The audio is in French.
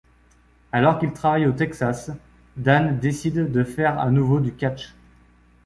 Alors qu'il travaille au Texas, Dane décide de faire à nouveau du catch.